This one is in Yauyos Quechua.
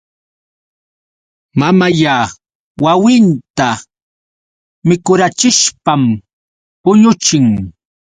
Mamalla wawinta mikurachishpam puñuchin.